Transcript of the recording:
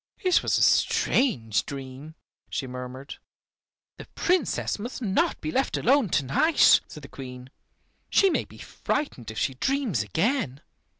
It was a strange dream," she murmured. "The Princess must not be left alone to night," said the Queen. "She may be frightened if she dreams again."